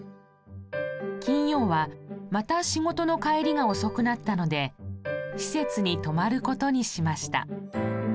金曜はまた仕事の帰りが遅くなったので施設に泊まる事にしました。